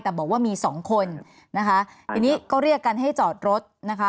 แต่บอกว่ามีสองคนนะคะทีนี้ก็เรียกกันให้จอดรถนะคะ